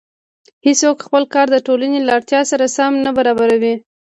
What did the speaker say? هېڅوک خپل کار د ټولنې له اړتیا سره سم نه برابروي